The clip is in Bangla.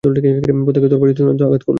প্রত্যেকেই তরবারীর চূড়ান্ত আঘাত করল।